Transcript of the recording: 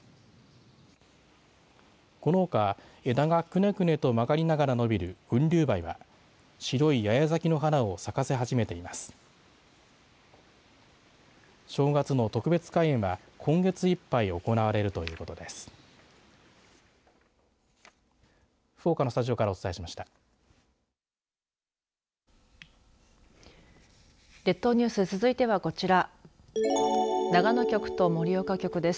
このほか枝がくねくねと曲がりながら伸びるウンリュウバイは白い八重咲きの花を咲かせ始めています。